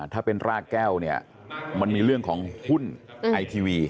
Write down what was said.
ถ้าเป็นรากแก้วเนี่ยมันมีเรื่องของหุ้นไอทีวี